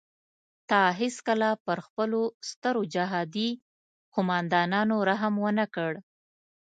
تا هیڅکله پر خپلو سترو جهادي قوماندانانو رحم ونه کړ.